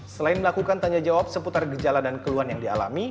selain melakukan tanya jawab seputar gejala dan keluhan yang dialami